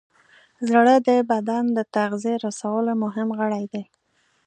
زړه د بدن د تغذیې رسولو مهم غړی دی.